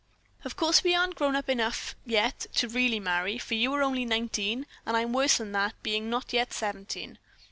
Of course we aren't grown up enough yet to really marry, for you are only nineteen, and I'm worse than that, being not yet seventeen.